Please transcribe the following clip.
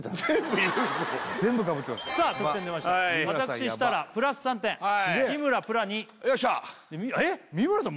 得点出ました私設楽プラス３点日村プラ２よっしゃえっ三村さん